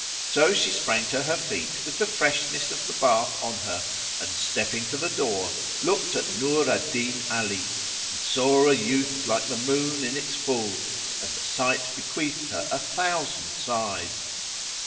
So she sprang to her feet with the freshness of the bath on her and, stepping to the door, looked at Nur al Din Ali and saw a youth like the moon in its full and the sight bequeathed her a thousand sighs.